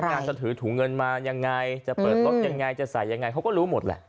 จะถือถุงเงินมายังไงจะเปิดรถยังไงจะใส่ยังไงเขาก็รู้หมดแหละ